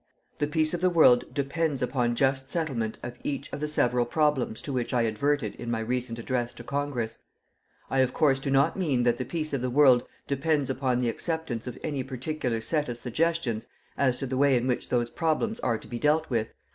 The peace of the world depends upon just settlement of each of the several problems to which I adverted in my recent address to Congress. I, of course, do not mean that the peace of the world depends upon the acceptance of any particular set of suggestions as to the way in which those problems are to be dealt with.